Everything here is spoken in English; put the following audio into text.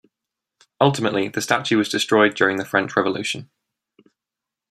Ultimately, the statue was destroyed during the French Revolution.